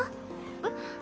えっ？